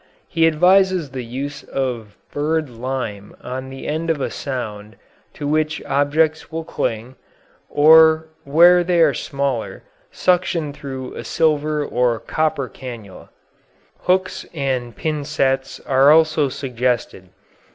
He advises the use of bird lime on the end of a sound to which objects will cling, or, where they are smaller, suction through a silver or copper canula. Hooks and pincettes are also suggested.